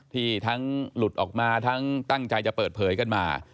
ที่ทั้งหลุดออกมาทั้งตั้งใจจะเปิดเผยกันมา